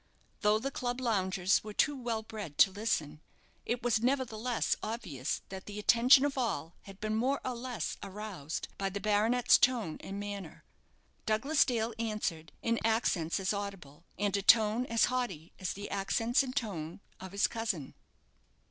Though the club loungers were too well bred to listen, it was nevertheless obvious that the attention of all had been more or less aroused by the baronet's tone and manner. Douglas Dale answered, in accents as audible, and a tone as haughty as the accents and tone of his cousin.